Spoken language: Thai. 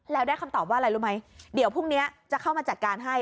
แล้วได้คำตอบว่าอะไรรู้ไหมเดี๋ยวพรุ่งนี้จะเข้ามาจัดการให้